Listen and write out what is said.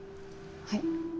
はい